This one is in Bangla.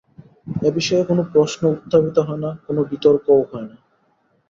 এ বিষয়ে কোনো প্রশ্নও উত্থাপিত হয় না, কোনো বিতর্কও হয় না।